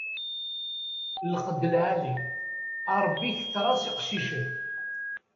Lqed lɛali, a Ṛebbi ketter-as iqcicen.